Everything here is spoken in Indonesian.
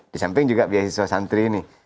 di samping juga bsi usaha santri ini